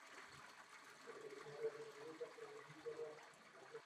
Takový je cíl iniciativy dvanácti vlád zemí Evropské unie.